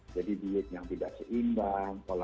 jadi diet yang tidak seimbang